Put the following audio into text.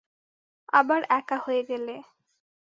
আবার একা হয়ে গেলে।